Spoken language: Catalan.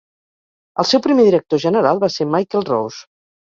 El seu primer director general va ser Michael Rowse.